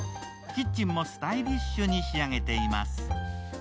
キッチンもスタイリッシュに仕上げています。